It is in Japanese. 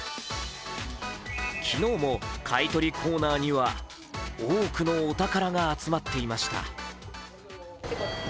昨日も買い取りコーナーには多くのお宝が集まっていました。